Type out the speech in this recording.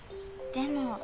でも。